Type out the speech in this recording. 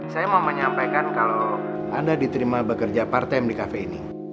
saya mau menyampaikan kalau anda diterima bekerja part time di cafe ini